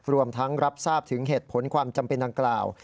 รวมทั้งรับทราบถึงเหตุผลความจำเป็นดังกล่าว